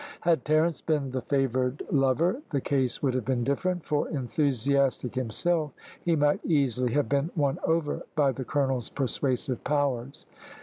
Had Terence been the favoured lover the case would have been different, for, enthusiastic himself, he might easily have been won over by the colonel's persuasive powers.